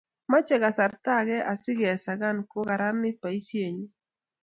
mechei kasarta ake asikusakan ko kararanit boisienyin